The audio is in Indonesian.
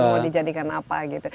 mau dijadikan apa gitu